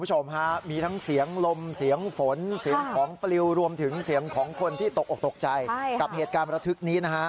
โอ้โฮไปแล้วไปแล้วไปแล้วตายแล้วรถรุ่น